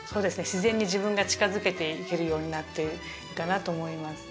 自然に自分が近づけていけるようになっているかなと思います